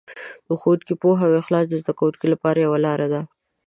د ښوونکي پوهه او اخلاص د زده کوونکو لپاره یوه لاره ده.